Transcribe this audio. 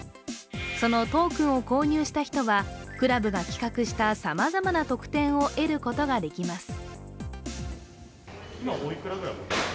そのトークンを購入した人はクラブが企画したさまざまな特典を得ることができます。